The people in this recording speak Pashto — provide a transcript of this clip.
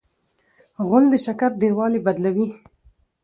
غول د شکر ډېروالی بدلوي.